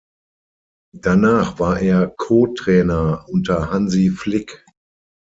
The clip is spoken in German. Danach war er Co-Trainer unter Hansi Flick.